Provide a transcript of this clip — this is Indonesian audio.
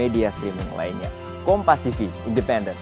eh udah ya tuh udah